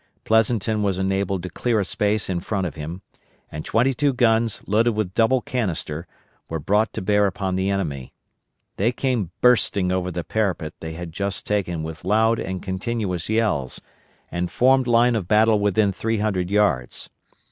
Pleasonton was enabled to clear a space in front of him, and twenty two guns, loaded with double canister, were brought to bear upon the enemy. They came bursting over the parapet they had just taken with loud and continuous yells, and formed line of battle within three hundred yards.